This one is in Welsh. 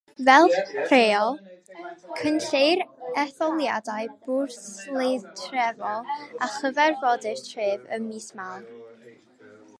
Fel rheol, cynhelir etholiadau bwrdeistrefol a Chyfarfodydd Tref ym mis Mawrth.